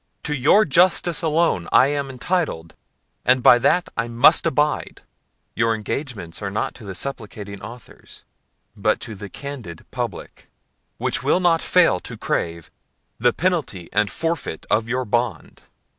to your justice alone I am intitled, and by that I must abide. Your engagements are not to the supplicating authors; but to the candid public, which will not fail to crave The penalty and forfeit of your bond.